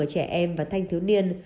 của trẻ em và thanh thiếu niên